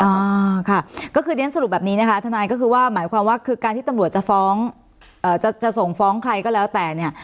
อ่าค่ะก็คือเรียนสรุปแบบนี้นะคะทนายก็คือว่าหมายความว่าคือการที่ตำรวจจะฟ้องเอ่อจะจะส่งฟ้องใครก็แล้วแต่เนี่ย